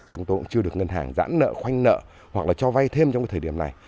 chúng tôi cũng chưa được ngân hàng giãn nợ khoanh nợ hoặc là cho vay thêm trong cái thời điểm này